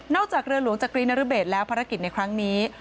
จากเรือหลวงจักรีนรเบศแล้วภารกิจในครั้งนี้